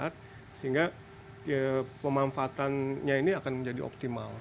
kita lihat sehingga pemanfaatannya ini akan menjadi optimal